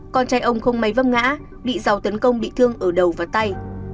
con trai ông không máy vấp ngã bị giàu tấn công bị thương ở đầu và tay